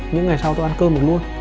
những ngày sau tôi ăn cơm được luôn